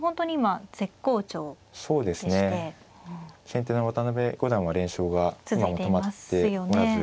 先手の渡辺五段は連勝が今も止まっておらず。